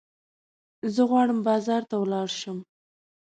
زه غواړم بازار ته ولاړ شم.